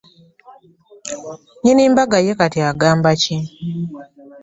Nnyini mbaga ye kati agamba ki?